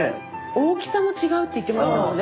大きさも違うって言ってましたもんね